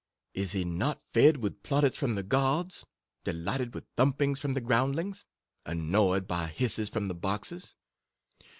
Is he not fed with plaudits from the gods? delighted with th limp ings from the groundlings ? annoyed by hisses from the boxes